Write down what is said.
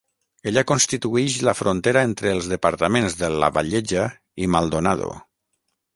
Ella constituïx la frontera entre els departaments de Lavalleja i Maldonado.